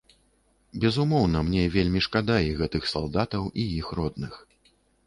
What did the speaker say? Безумоўна, мне вельмі шкада і гэтых салдатаў, і іх родных.